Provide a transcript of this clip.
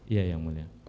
iya yang mulia